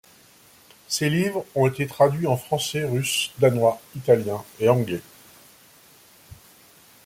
Ses livres ont été traduits en français, russe, danois, italien et anglais.